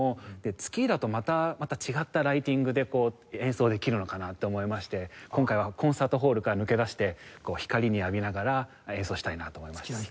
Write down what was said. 月だとまた違ったライティングで演奏できるのかなと思いまして今回はコンサートホールから抜け出して光に浴びながら演奏したいなと思いますね。